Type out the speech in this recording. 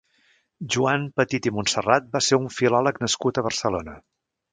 Joan Petit i Montserrat va ser un filòleg nascut a Barcelona.